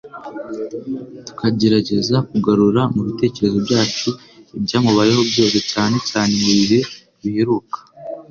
tukagerageza kugarura mu bitekerezo byacu ibyamubayeho byose cyane cyane mu bihe biheruka.